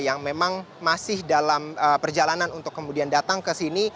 yang memang masih dalam perjalanan untuk kemudian datang ke sini